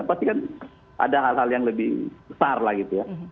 pasti kan ada hal hal yang lebih besar lah gitu ya